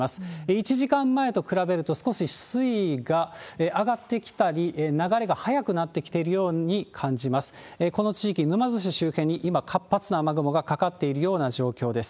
１時間前と比べると、少し水位が上がってきたり、流れが速くなってきているように感じます。